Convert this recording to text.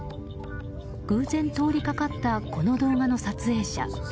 偶然通りかかったこの動画の撮影者。